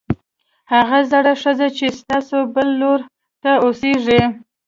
هغه زړه ښځه چې ستاسو بل لور ته اوسېږي